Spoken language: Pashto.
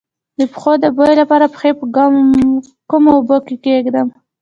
د پښو د بوی لپاره پښې په کومو اوبو کې کیږدم؟